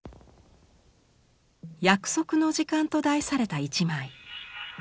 「約束の時間」と題された一枚。